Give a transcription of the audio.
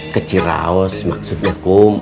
kecil raus maksudnya kum